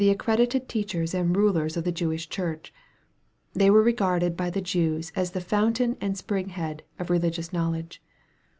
242 EXPOSITORY THOUGHTS rulers of the Jesvish Church. They were regarded by the Jews as the fountain and spring head of religious knowledge.